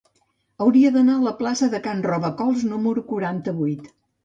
Hauria d'anar a la plaça de Can Robacols número quaranta-vuit.